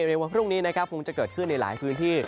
ในวันพรุ่งนี้นะครับคงจะเกิดขึ้นในหลายพื้นที่